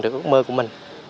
được ước mơ của mình